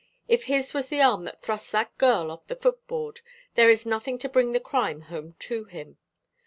If his was the arm that thrust that girl off the footboard, there is nothing to bring the crime home to him.